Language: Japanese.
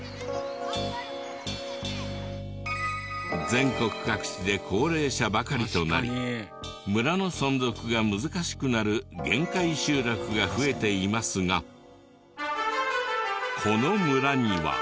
全国各地で高齢者ばかりとなり村の存続が難しくなる限界集落が増えていますがこの村には。